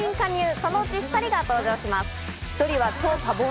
そのうち２人が登場します。